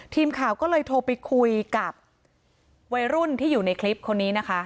ทีมข่าวก็เลยโทรไปคุยกับวัยรุ่นที่อยู่ในคลิปคนนี้นะคะ